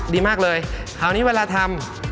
ดีมากเลยคราวนี้เวลาทำ